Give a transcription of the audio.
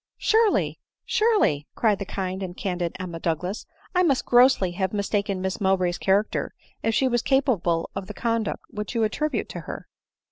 c * Surely, surely," cried the kind and candid Emma Douglas, " I must grossly have mistaken Miss Mowbray's character, if she was capable of the conduct which you attribute to her